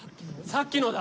さっきの。